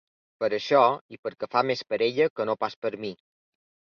Per això i perquè fa més per ella que no pas per mi.